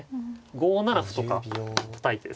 ５七歩とかたたいてですね。